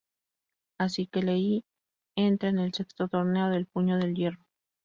Así que Lei entra en el "Sexto Torneo del Puño del Hierro".